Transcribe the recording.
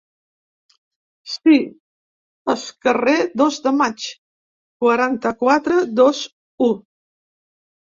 Sí, es carrer Dos de Maig, quaranta-quatre, dos-u.